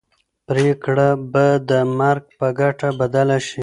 پرېکړه به د مرګ په ګټه بدله شي.